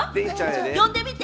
呼んでみて！